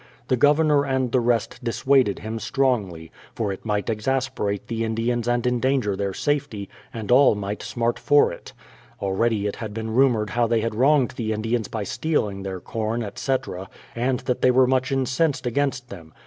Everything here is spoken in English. The governor and the rest dissuaded him strongly, for it might exasperate the Indians and endanger their safety, and all might smart for it. Already it had been rumoured how they had wronged the Indians by stealing their corn, etc., and that they were much incensed against them.